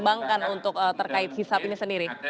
kembangkan untuk terkait hisap ini sendiri